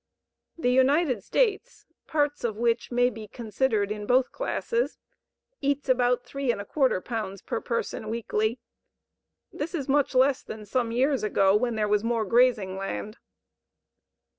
The United States, parts of which may be considered in both classes, eats about 3¼ pounds per person weekly. This is much less than some years ago, when there was more grazing land.